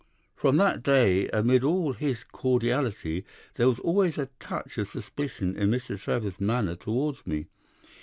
"From that day, amid all his cordiality, there was always a touch of suspicion in Mr. Trevor's manner towards me.